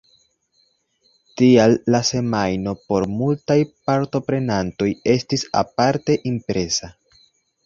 Tial la semajno por multaj partoprenantoj estis aparte impresa.